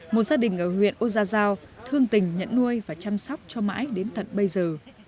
một gia đình ở huyện oa giao thương tình nhận nuôi và chăm sóc cho mãi đến tận bây giờ